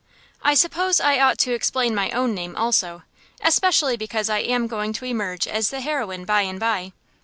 I suppose I ought to explain my own name also, especially because I am going to emerge as the heroine by and by.